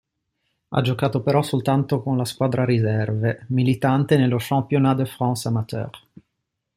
Ha giocato però soltanto con la squadra riserve, militante nello Championnat de France amateur.